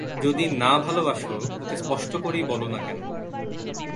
যদি না ভালোবাস, ওকে স্পষ্ট করেই বল-না কেন।